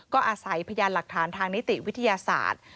ก็อาศัยพยานหลักฐานทางนิติวิทยาศาสตร์